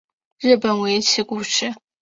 日本围棋故事